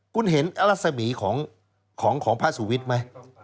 คุณเห็นอรัศมีของพระสุวิทย์ไหม